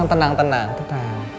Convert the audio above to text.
tenang tenang tenang